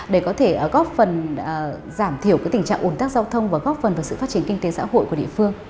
để có thể góp phần giảm thiểu tình trạng ồn tắc giao thông và góp phần vào sự phát triển kinh tế xã hội của địa phương